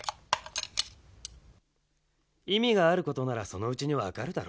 いみがあることならそのうちにわかるだろ。